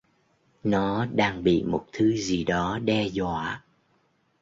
Nó đang bị một thứ gì đó đe dọa